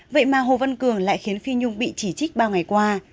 vậy mà hô vấn cường lại khiến phi nhung bị chỉ trích bao ngày qua